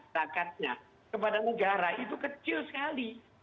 zakatnya kepada negara itu kecil sekali